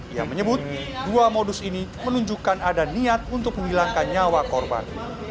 yang menyebut dua modus ini menunjukkan ada niat untuk menghilangkan nyawa korban